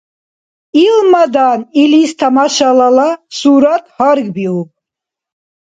Илмадан илис тамашалала сурат гьаргбиуб.